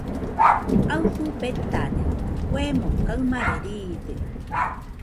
Aɨfɨ betade, kuemo kaɨmare riide.